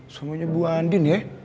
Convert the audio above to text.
semuanya bu andin ya